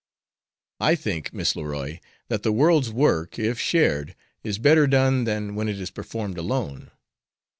"I think, Miss Leroy, that the world's work, if shared, is better done than when it is performed alone.